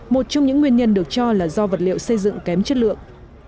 một trong những nguyên nhân được cho là do vật liệu xây dựng kém chất lượng